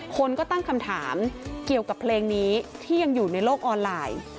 คนก็ตั้งคำถามเกี่ยวกับเพลงนี้ที่ยังอยู่ในโลกออนไลน์